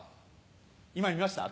今見ました？